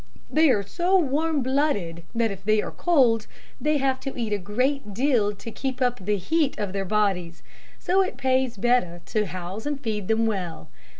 They are so warm blooded that if they are cold, they have to eat a great deal to keep up the heat of their bodies, so it pays better to house and feed them well.